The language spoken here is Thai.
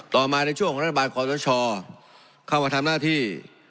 ต่อมาในช่วงของรัฐบาลความต้นชอเข้ามาทำหน้าที่